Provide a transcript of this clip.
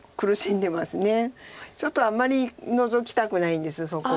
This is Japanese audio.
ちょっとあんまりノゾきたくないんですそこは。